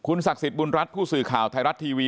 ศักดิ์สิทธิบุญรัฐผู้สื่อข่าวไทยรัฐทีวี